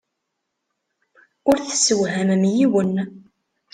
Ur tessewhamem yiwen.